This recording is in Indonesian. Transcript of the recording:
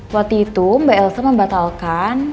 waktu itu mbak elsa membatalkan